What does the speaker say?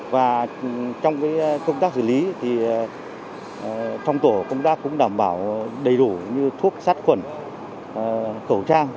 và trong công tác xử lý thì trong tổ công tác cũng đảm bảo đầy đủ như thuốc sát khuẩn khẩu trang